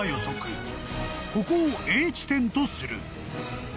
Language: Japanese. ［ここをＡ地点とする］